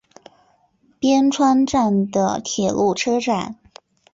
边川站的铁路车站。